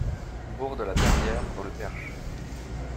Bourg de La Perrière dans le Perche.